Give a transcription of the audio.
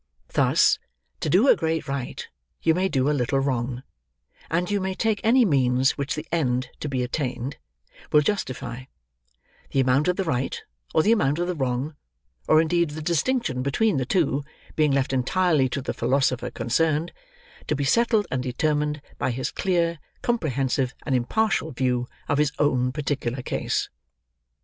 Thus, to do a great right, you may do a little wrong; and you may take any means which the end to be attained, will justify; the amount of the right, or the amount of the wrong, or indeed the distinction between the two, being left entirely to the philosopher concerned, to be settled and determined by his clear, comprehensive, and impartial view of his own particular case.